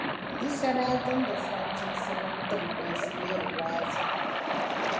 Yisa daa gindi fɔntinsi mini tiŋkpansi yihiri waazu.